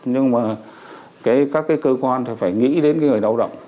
nhưng mà các cơ quan phải nghĩ đến người lao động